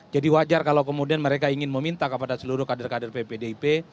wajar kalau kemudian mereka ingin meminta kepada seluruh kader kader pdip